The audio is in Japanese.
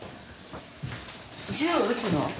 銃を撃つの？